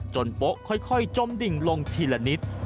โป๊ะค่อยจมดิ่งลงทีละนิด